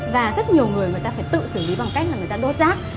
và rất nhiều người người ta phải tự xử lý bằng cách là người ta đốt rác